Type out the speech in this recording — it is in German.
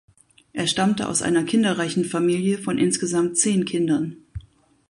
Er stammte aus einer kinderreichen Familie von insgesamt zehn Kindern.